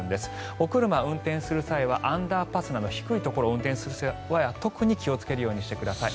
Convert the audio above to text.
お車を運転する際はアンダーパスなど低いところを運転する方は特に気をつけてください。